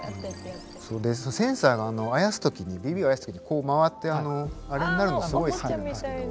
センサーがあやす時にＢＢをあやす時にこう回ってあのあれになるのすごい好きなんですけど。